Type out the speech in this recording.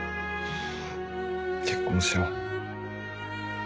結婚しよう